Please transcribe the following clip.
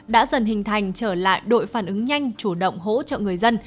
đã dần hình thành trở lại đội phản ứng nhanh chủ động hỗ trợ người dân